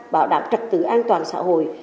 bảo đảm trật tự an toàn xã hội